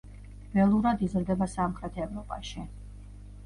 ველურად იზრდება სამხრეთ ევროპაში.